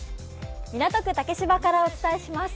港区竹芝からお伝えします。